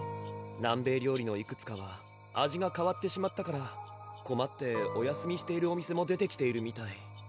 南米料理のいくつかは味がかわってしまったからこまってお休みしているお店も出てきているみたい